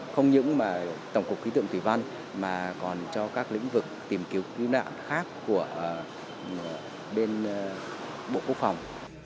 không những mà tổng cục khí tượng thủy văn mà còn cho các lĩnh vực tìm kiếm cứu nạn khác của bên bộ quốc phòng